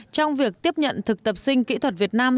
trong việc tiếp nhận thực tập sinh kỹ thuật việt nam